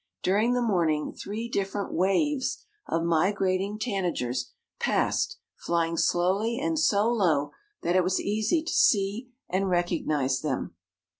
During the morning three different waves of migrating tanagers passed, flying slowly and so low that it was easy to see and recognize them.